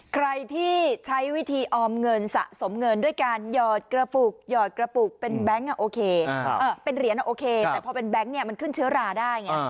ใครที่ใช้วิธีออมเงินสะสมเงินด้วยการหยอดกระปุกหยอดกระปุกเป็นแบงค์โอเคเป็นเหรียญโอเคแต่พอเป็นแก๊งเนี่ยมันขึ้นเชื้อราได้ไง